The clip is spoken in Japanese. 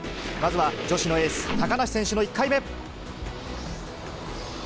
まずは女子のエース、高梨選手の１回目。